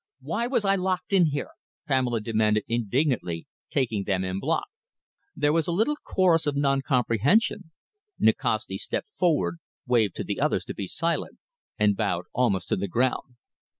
"Why was I locked in here?" Pamela demanded indignantly, taking them en bloc. There was a little chorus of non comprehension. Nikasti stepped forward, waved to the others to be silent, and bowed almost to the ground.